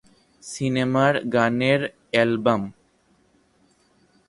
সিনেমা’র গানের এলবাম